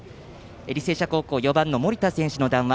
履正社高校４番の森田選手の談話